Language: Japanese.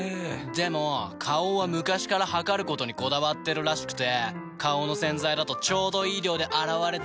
でも花王は昔から量ることにこだわってるらしくて花王の洗剤だとちょうどいい量で洗われてるなって。